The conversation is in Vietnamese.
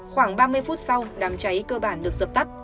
khoảng ba mươi phút sau đám cháy cơ bản được dập tắt